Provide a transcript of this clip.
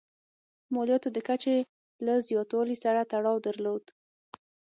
مالیاتو د کچې له زیاتوالي سره تړاو درلود.